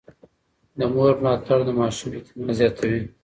د مور ملاتړ د ماشوم اعتماد زياتوي.